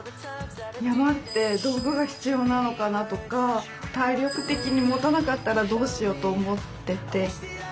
山って道具が必要なのかなとか体力的にもたなかったらどうしようと思ってて。